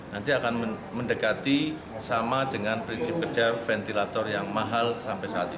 nanti akan mendekati sama dengan prinsip kerja ventilator yang mahal sampai saat ini